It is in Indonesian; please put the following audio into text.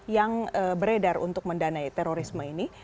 yang beredar untuk mendanai terorisme ini